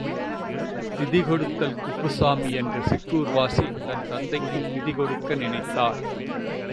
திதி கொடுத்தல் குப்புசாமி என்ற சிற்றூர்வாசி தன் தந்தைக்கு திதி கொடுக்க நினைத்தார்.